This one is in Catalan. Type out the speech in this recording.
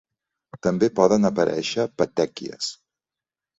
També poden aparèixer petèquies.